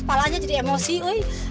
palanya jadi emosi woi